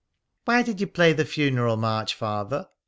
"Why did you play the Funeral March, Father?"